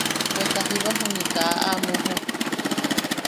Bweta jiba juniʼi kaa a muujuk.